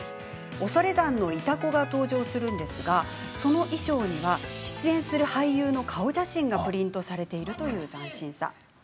恐山のイタコが登場するのですがその衣装には出演する俳優の顔写真がプリントされているという斬新さ。